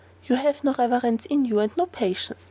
"You have no reverence in you, and no patience.